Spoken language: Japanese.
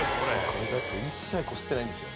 これ一切こすってないんですよ